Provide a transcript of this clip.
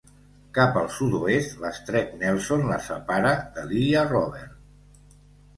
Cap al sud-oest, l'Estret Nelson la separa de l'Illa Robert.